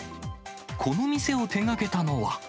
この店を手がけたのは。